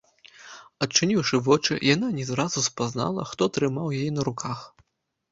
Адчыніўшы вочы, яна не зразу спазнала, хто трымаў яе на руках.